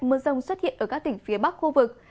mưa rông xuất hiện ở các tỉnh phía bắc khu vực